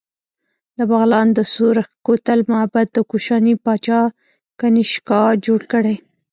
د بغلان د سورخ کوتل معبد د کوشاني پاچا کنیشکا جوړ کړی